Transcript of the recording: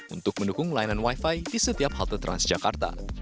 untuk mendukung layanan wi fi di setiap halte transjakarta